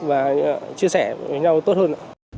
và chia sẻ với nhau tốt hơn